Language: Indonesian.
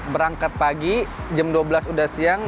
berangkat pagi jam dua belas udah siang